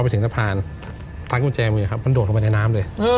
พอมาถึงสถานทฟานทักมือแจมือนะครับมันโดดลงไปในน้ำเลย